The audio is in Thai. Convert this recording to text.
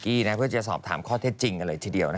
หนังเอกพิ้งกี้เพื่อจะสอบถามข้อเท็จจริงอะไรทีเดียว